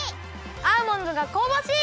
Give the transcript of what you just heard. アーモンドがこうばしい！